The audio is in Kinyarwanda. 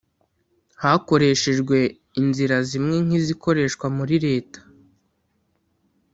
hakoreshejwe inzira zimwe nk izikoreshwa muri leta